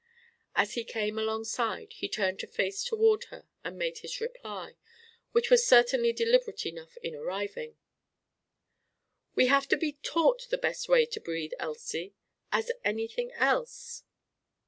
As he came alongside, he turned his face toward her and made his reply, which was certainly deliberate enough in arriving: "We have to be taught the best way to breathe, Elsie; as anything else!"